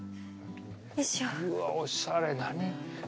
うわおしゃれ何？